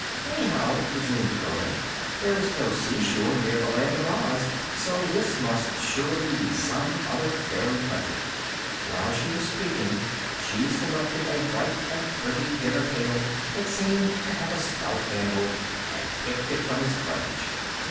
"Anyhow," resumed the girl, "there is no seashore near the Land of Oz, so this must surely be some other fairy country." While she was speaking she selected a bright and pretty dinner pail that seemed to have a stout handle, and picked it from its branch.